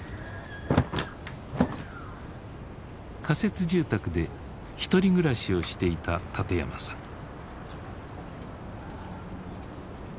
仮設住宅で１人暮らしをしていた館山さん。